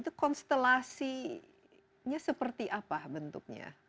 itu konstelasinya seperti apa bentuknya